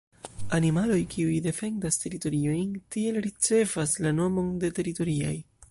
Animaloj kiuj defendas teritoriojn tiele ricevas la nomon de teritoriaj.